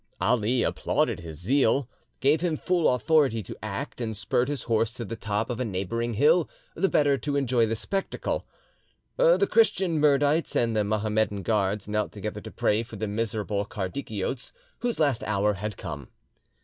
Ali applauded his zeal, gave him full authority to act, and spurred his horse to the top of a neighbouring hill, the better to enjoy the spectacle. The Christian Mirdites and the Mohammedan guards knelt together to pray for the miserable Kardikiotes, whose last hour had come.